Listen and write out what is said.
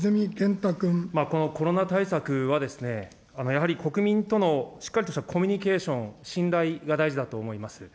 このコロナ対策はですね、やはり国民とのしっかりとしたコミュニケーション、信頼が大事だと思います。